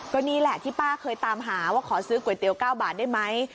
ก็นี่แหละที่ป้าเคยตามหาว่าขอซื้อก๋วยเตี๋ยว๙บาทได้ไหม